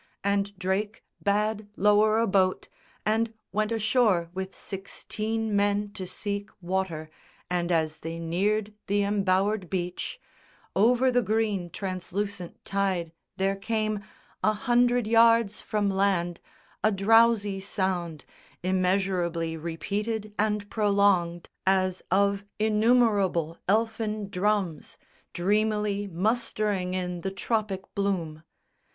And Drake bade lower a boat, And went ashore with sixteen men to seek Water; and, as they neared the embowered beach, Over the green translucent tide there came, A hundred yards from land, a drowsy sound Immeasurably repeated and prolonged, As of innumerable elfin drums Dreamily mustering in the tropic bloom.